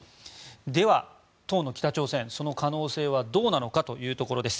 では当の北朝鮮、その可能性はどうなのかというところです。